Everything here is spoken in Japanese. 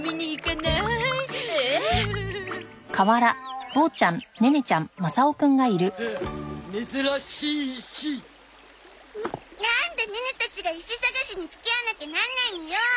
なんでネネたちが石探しに付き合わなきゃなんないのよ！